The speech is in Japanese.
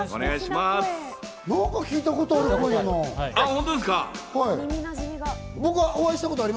何か聞いたことある声だな。